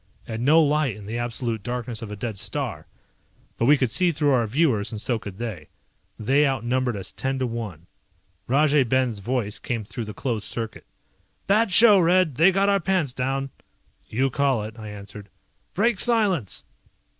And no light in the absolute darkness of a dead star. But we could see through our viewers, and so could they. They outnumbered us ten to one. Rajay Ben's voice came through the closed circuit. "Bad show, Red, they got our pants down!" "You call it," I answered. "Break silence!"